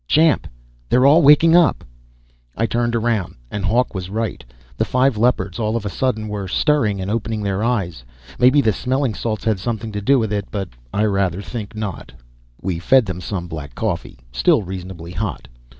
"Champ. They all waking up!" I turned around, and Hawk was right. The five Leopards, all of a sudden, were stirring and opening their eyes. Maybe the smelling salts had something to do with it, but I rather think not. We fed them some of the black coffee, still reasonably hot.